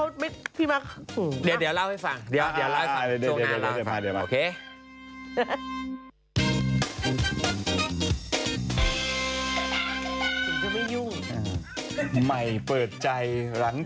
เดี๋ยวเล่าให้ฟัง